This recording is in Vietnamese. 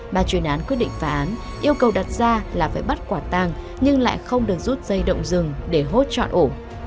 bà chuyên án quyết định phá án yêu cầu đặt ra là phải bắt quả tang nhưng lại không được rút dây động dừng để hốt chọn ổ